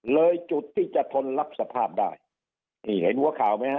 เลยจุดที่จะทนลับสภาพได้นี่เห็นพวกมีฮะ